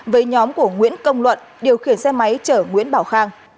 với nhóm của nguyễn công luận điều khiển xe máy chở nguyễn bảo khang